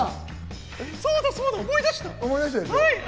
そうだそうだ、思い出した。